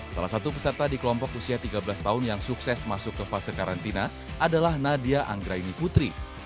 salah satu peserta di kelompok usia tiga belas tahun yang sukses masuk ke fase karantina adalah nadia anggraini putri